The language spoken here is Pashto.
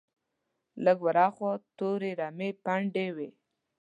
لږ ور هاخوا تورې رمې پنډې وې.